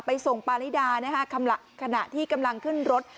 ส่งปาริดานะฮะขณะที่กำลังขึ้นรถ